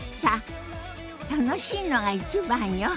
楽しいのが一番よ。